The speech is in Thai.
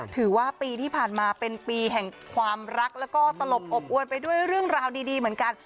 ถือว่าปีที่ผ่านมาเป็นปีแห่งความรักแล้วก็ตลบอบอวนไปด้วยเรื่องราวดีเหมือนกัน